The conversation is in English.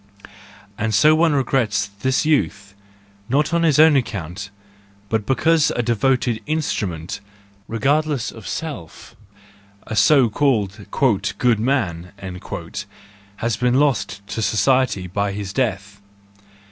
And so one regrets this youth, not on his own account, but because a devoted instrument, regardless of self—a so called "good man," has been lost to society by his death.